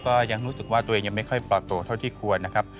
ก็ยังรู้สึกว่าตัวเองยังไม่ค่อยปลอดตัวเท่าที่ควรนะครับ